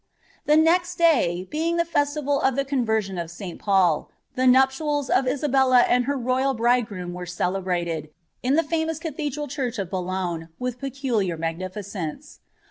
The oeKt day, being ihe festival of the Conversion of Sl Paul, (hi niipliab of Isabelia and her royal bridegroom were celebrated, in du famous cathedral church ot Boulogne, with peculiar magniGccnoe.